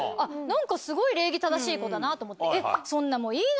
何かすごい礼儀正しい子だなと思って。